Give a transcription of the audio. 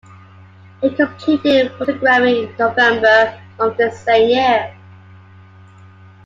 He completed photography in November of the same year.